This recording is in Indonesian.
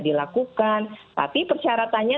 dilakukan tapi persyaratannya